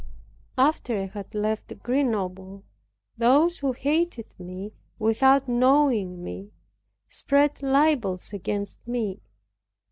After I had left Grenoble, those who hated me, without knowing me, spread libels against me.